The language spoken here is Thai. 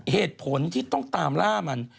เหตุผลที่ต้องตามล่ามัน